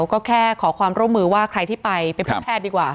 ก็แค่ขอความร่วมมือว่าใครที่ไปไปพบแพทย์ดีกว่า